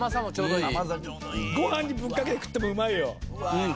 ご飯にぶっかけて食ってもうまいよ！